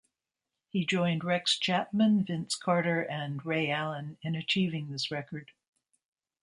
He joined Rex Chapman, Vince Carter and Ray Allen in achieving this record.